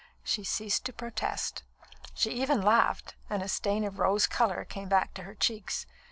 She ceased to protest. She even laughed, and a stain of rose colour came back to her cheeks.